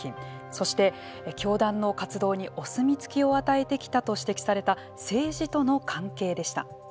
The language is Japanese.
そして、教団の活動にお墨付きを与えてきたと指摘された政治との関係でした。